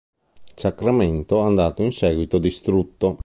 Sacramento andato in seguito distrutto.